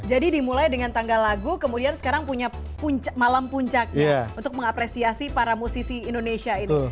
jadi dimulai dengan tanggal lagu kemudian sekarang punya malam puncaknya untuk mengapresiasi para musisi indonesia ini